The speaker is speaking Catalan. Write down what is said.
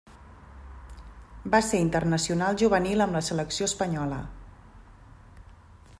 Va ser internacional juvenil amb la selecció espanyola.